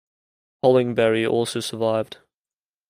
Hollingbery also survived.